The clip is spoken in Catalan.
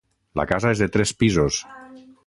La casa és de tres pisos.